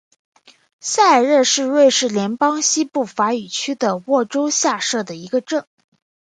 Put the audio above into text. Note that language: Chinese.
塞尔热是瑞士联邦西部法语区的沃州下设的一个镇。